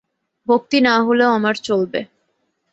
ভক্তি না হলেও আমার চলবে।